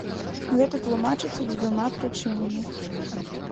Гэта тлумачыцца дзвюма прычынамі.